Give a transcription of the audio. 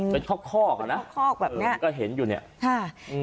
เป็นคอกคอกอ่ะนะคอกแบบเนี้ยก็เห็นอยู่เนี่ยค่ะอืม